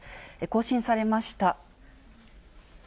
更新されました。